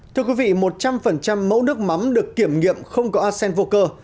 thưa quý vị một trăm linh mẫu nước mắm được kiểm nghiệm không có arsen vô cơ